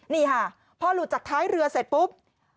นี่ค่ะพอหลุดจากท้ายเรือเสร็จปุ๊บ